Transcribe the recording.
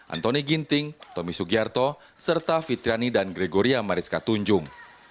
antoni ginting tommy sugiarto serta fitriani dan gregoria mariska tunjung